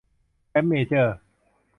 แชมป์เมเจอร์